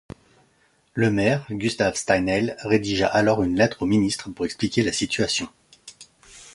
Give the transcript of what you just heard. Le maire, Gustave Steinheil, redigea alors une lettre aux ministres pour expliquer la situation.